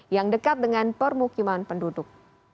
yang dekat dengan permukiman penduduk